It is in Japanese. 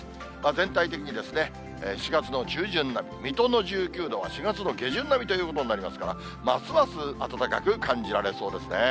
全体的に４月の中旬並み、水戸の１９度は４月の下旬並みということになりますから、ますます暖かく感じられそうですね。